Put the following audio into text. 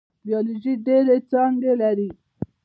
بیولوژي ډیرې څانګې لري